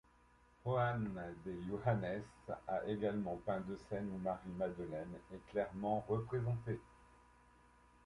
Juan de juanes a également peint deux cènes ou Marie Madeleine est clairement représentée.